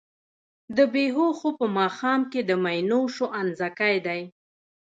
د بــــــې هــــــوښو په ماښام کي د مینوشو انځکی دی